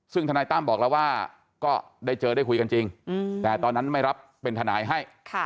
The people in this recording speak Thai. ซึ่งธนายตั้มบอกแล้วว่าก็ได้เจอได้คุยกันจริงแต่ตอนนั้นไม่รับเป็นทนายให้